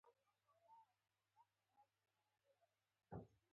بوټونه د نوې جامې ملګري وي.